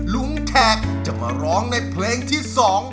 ลุงแขกจะมาร้องในเพลงที่๒